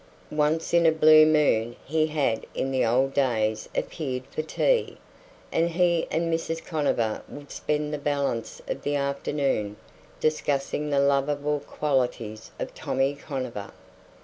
Once in a blue moon he had in the old days appeared for tea; and he and Mrs. Conover would spend the balance of the afternoon discussing the lovable qualities of Tommy Conover.